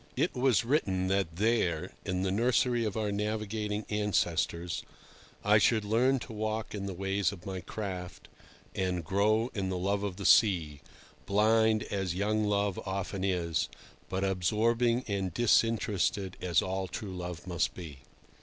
XL. IT was written that there, in the nursery of our navigating ancestors, I should learn to walk in the ways of my craft and grow in the love of the sea, blind as young love often is, but absorbing and disinterested as all true love must be.